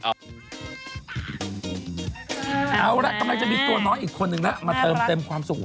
เอาร่ะต้องจะมีตัวน้อยอีกคนนึงนะมาเติมเต็มความสุข